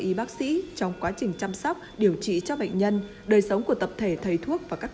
y bác sĩ trong quá trình chăm sóc điều trị cho bệnh nhân đời sống của tập thể thầy thuốc và các